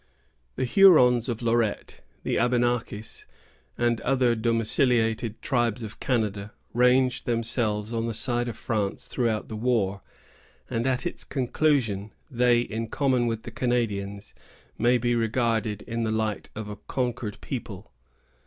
The Hurons of Lorette, the Abenakis, and other domiciliated tribes of Canada, ranged themselves on the side of France throughout the war; and at its conclusion, they, in common with the Canadians, may be regarded in the light of a conquered people.